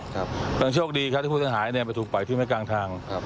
ก็ยังโชคดีครับถ้าผู้ต้องหายเนี่ยจะถูกปล่อยที่ไม่กลางทาง